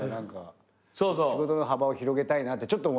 仕事の幅を広げたいなってちょっと思いますよね。